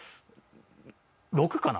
６かな。